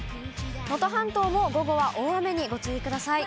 能登半島も午後は大雨にご注意ください。